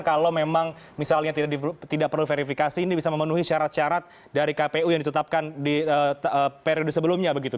kalau memang misalnya tidak perlu verifikasi ini bisa memenuhi syarat syarat dari kpu yang ditetapkan di periode sebelumnya begitu